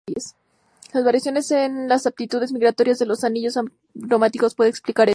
Las variaciones en las aptitudes migratorias de los anillos aromáticos pueden explicar esto.